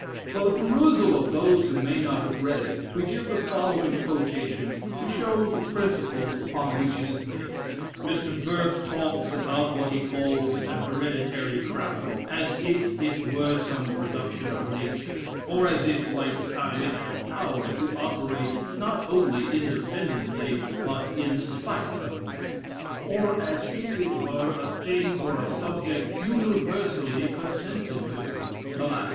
For the perusal of those who may not have read it, we give the following quotations, to show the principles upon which it is based: "Mr. Burke talks about what he calls an hereditary crown, as if it were some production of nature; or as if, like time, it had a power to operate, not only independently, but in spite of man; or as if it were a thing or a subject universally consented to. Alas!